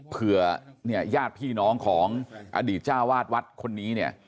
เผื่อญาติพี่น้องของอดีตจ้าวาทวัดคนนี้